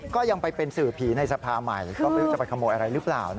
ก็ยังไปเป็นสื่อผีในสภาใหม่ก็ไม่รู้จะไปขโมยอะไรหรือเปล่า